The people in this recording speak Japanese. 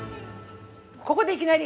ここでいきなり！